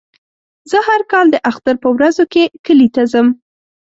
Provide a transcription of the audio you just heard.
زه هر کال د اختر په ورځو کې کلي ته ځم.